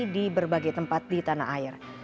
di berbagai tempat di tanah air